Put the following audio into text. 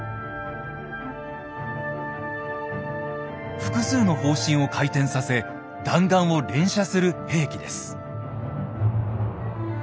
複数の砲身を回転させ弾丸を連射する兵器です。